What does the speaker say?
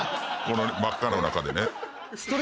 真っ赤の中でね。